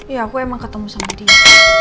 iya aku emang ketemu sama dia